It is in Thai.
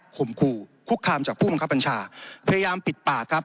คู่คุกคามจากผู้บังคับบัญชาพยายามปิดปากครับ